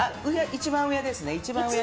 一番上ですね。